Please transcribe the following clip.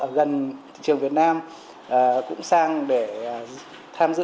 ở gần thị trường việt nam cũng sang để tham dự